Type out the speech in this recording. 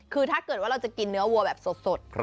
คือถ้าเกิดว่าเราจะกินเนื้อวัวแบบสด